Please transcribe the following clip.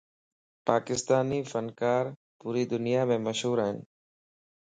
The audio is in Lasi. پاڪستاني فنڪارَ پوري دنيامَ مشھور ائين.